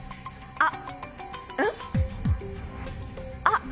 あっ！